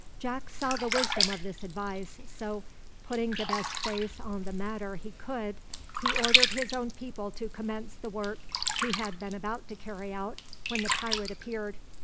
Jack saw the wisdom of this advice, so, putting the best face on the matter he could, he ordered his own people to commence the work he had been about to carry out when the pirate appeared.